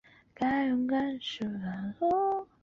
各线之间的转乘客非常多。